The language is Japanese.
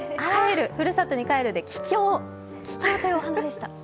ふるさとに帰るでキキョウというお花でした。